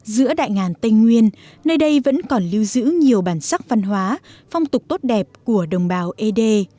giữa đại ngàn tây nguyên nơi đây vẫn còn lưu giữ nhiều bản sắc văn hóa phong tục tốt đẹp của đồng bào ed